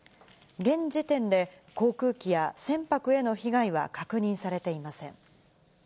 現時点で、航空機や船舶への被害は確認されていません。